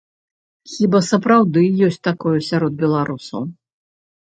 Хіба сапраўды ёсць такое сярод беларусаў.